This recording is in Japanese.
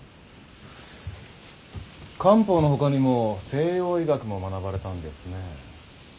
漢方のほかにも西洋医学も学ばれたんですね。